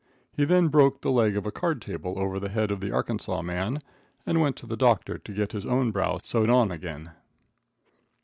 He then broke the leg of a card table over the head of the Arkansas man, and went to the doctor to get his own brow sewed on again.